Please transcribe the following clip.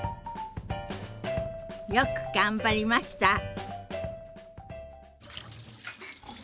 よく頑張りました。